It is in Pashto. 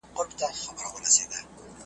د هیچا د پوهېدلو او هضمولو وړ نه دي